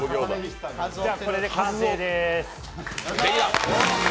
これで完成です。